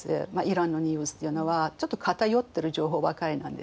イランのニュースっていうのはちょっと偏ってる情報ばかりなんですよね。